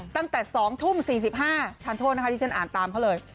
ตั้งแต่๒ทุ่ม๔๕ทานโทษนะคะที่ฉันอ่านตามเขาเลย